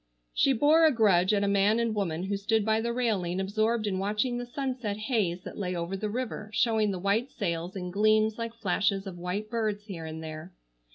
She bore a grudge at a man and woman who stood by the railing absorbed in watching the sunset haze that lay over the river showing the white sails in gleams like flashes of white birds here and there.